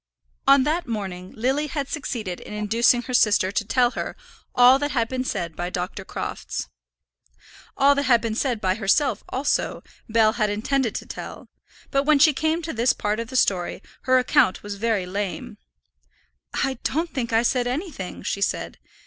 On that morning Lily had succeeded in inducing her sister to tell her all that had been said by Dr. Crofts. All that had been said by herself also, Bell had intended to tell; but when she came to this part of the story, her account was very lame. "I don't think I said anything," she said.